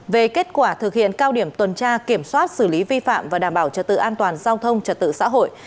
về kết quả thực hiện cao điểm tuần tra kiểm soát xử lý vi phạm và đảm bảo trật tự an toàn giao thông trật tự xã hội